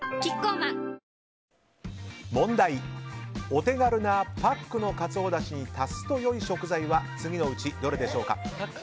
お手軽なパックのカツオだしに足すとよい食材は次のうちどれでしょうか。